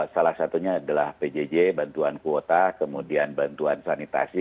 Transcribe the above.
salah satunya adalah pjj bantuan kuota kemudian bantuan sanitasi